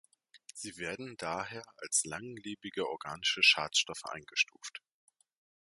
Sie werden daher als langlebige organische Schadstoffe eingestuft.